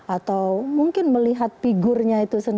atau mungkin melihat figurnya itu sendiri